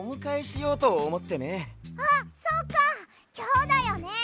あっそうかきょうだよね！